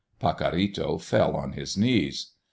Pacorrito fell on his knees.